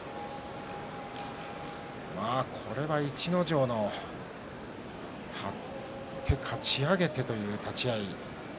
これは、逸ノ城の張って、かち上げてという立ち合い。